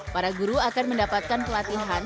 para guru akan mendapatkan pelatihan